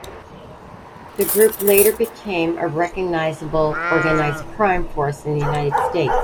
The group later became a recognizable organized crime force in the United States.